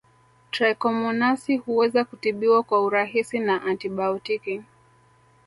Trichomonasi huweza kutibiwa kwa urahisi na antibaotiki